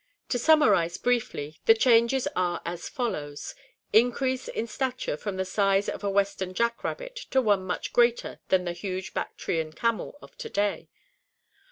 To summarize briefly, the changes are as follows: Increase in stature from the size of a western jack rabbit to one much greater than the huge Bactrian camel of to day.